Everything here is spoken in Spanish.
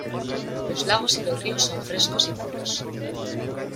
Los lagos y los ríos son frescos y puros.